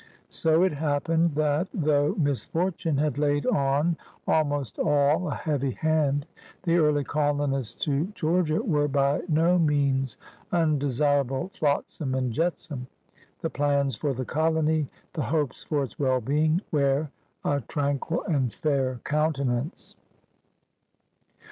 So it happened that, though misfortune had laid on almost all a heavy hand, the early colonists to Georgia were by no means undesirable flotsam and jetsam. The plans for the colony, the hopes for its well being, wear a tranquil and fair countenance.